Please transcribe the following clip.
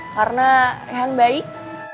karena rehan baik